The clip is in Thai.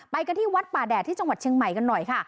กันที่วัดป่าแดดที่จังหวัดเชียงใหม่กันหน่อยค่ะ